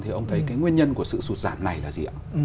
thì ông thấy cái nguyên nhân của sự sụt giảm này là gì ạ